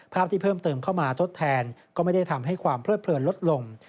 ภาพที่เพิ่มเติมเข้ามาทดแทนก็ไม่ได้ทำให้ความเพลิดเพลินลดลง